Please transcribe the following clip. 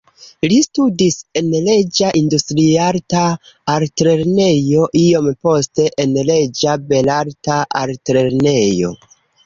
Li studis en Reĝa Industriarta Altlernejo, iom poste en Reĝa Belarta Altlernejo.